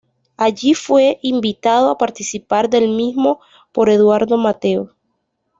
Allí fue invitado a participar del mismo por Eduardo Mateo.